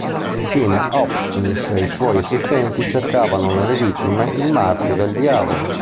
Infine Hopkins e i suoi assistenti cercavano nelle vittime il "marchio del diavolo".